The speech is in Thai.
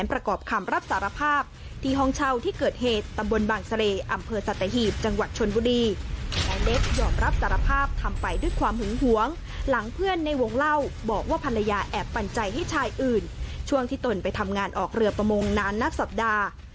ภรรยาแอบปันใจให้ชายอื่นช่วงที่ตนไปทำงานออกเรือประมงนานนับสัปดาห์